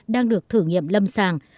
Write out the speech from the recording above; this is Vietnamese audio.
đang được thử nghiệm lâm sàng